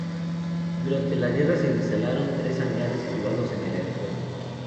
Durante la guerra se instalaron tres hangares privados en el aeropuerto.